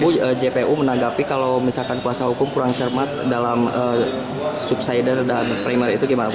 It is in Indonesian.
ibu jpu menanggapi kalau misalkan kuasa hukum kurang cermat dalam subsider dan primer itu gimana bu